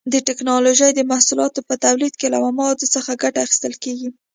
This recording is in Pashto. د ټېکنالوجۍ د محصولاتو په تولید کې له موادو څخه ګټه اخیستل کېږي.